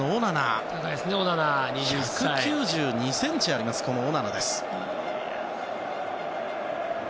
１９２ｃｍありますオナナです。